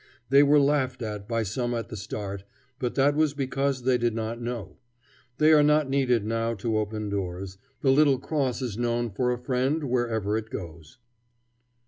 They wrere laughed at by some at the start; but that was because they did not know. They are not needed now to open doors; the little cross is known for a friend wherever it goes.